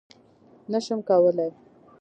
_نه شم کولای.